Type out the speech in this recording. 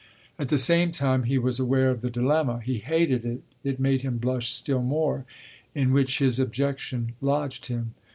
At the same time he was aware of the dilemma (he hated it; it made him blush still more) in which his objection lodged him.